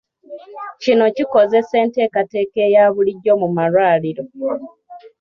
Kino kikoseza enteekateeka eya bulijjo mu malwaliro.